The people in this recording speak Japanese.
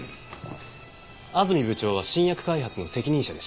安住部長は新薬開発の責任者でした。